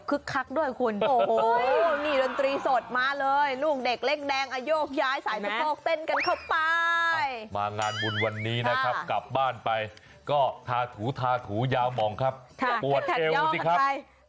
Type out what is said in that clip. กลับบ้านไปก็ทาถูทาถูยาวมองครับปวดเอวสิครับ